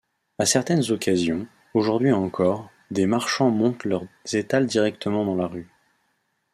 À certaines occasions, aujourd'hui encore, des marchands montent leurs étals directement dans la rue.